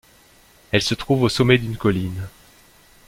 Elle se trouve au sommet d'une colline.